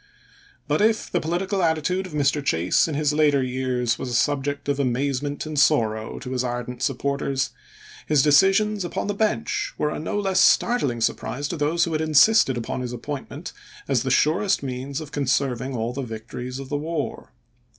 £$fy But if the political attitude of Mr. Chase in his schuclers, later years was a subject of amazement and sorrow p. chase,' to his ardent supporters, his decisions upon the bench were a no less startling surprise to those who had insisted upon his appointment as the surest means of conserving all the victories of the war.